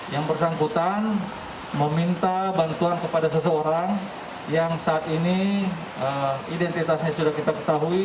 yang bersangkutan meminta bantuan kepada seseorang yang saat ini identitasnya sudah kita ketahui